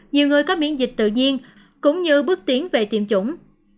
nhiều người có miễn dịch tự nhiên cũng như bước tiến về tiêm chủng